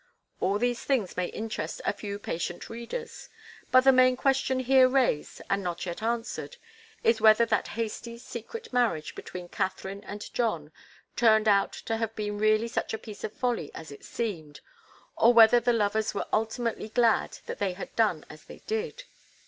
All these things may interest a few patient readers, but the main question here raised and not yet answered is whether that hasty, secret marriage between Katharine and John turned out to have been really such a piece of folly as it seemed, or whether the lovers were ultimately glad that they had done as they did.